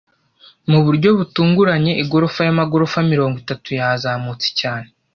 Mu buryo butunguranye, igorofa y'amagorofa mirongo itatu yazamutse cyane.